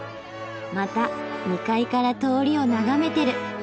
また２階から通りを眺めてる。